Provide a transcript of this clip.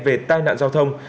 về tai nạn giao thông